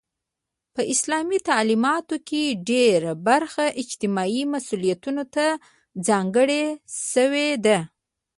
په اسلامي تعلیماتو کې ډيره برخه اجتماعي مسئولیتونو ته ځانګړې شوی ده.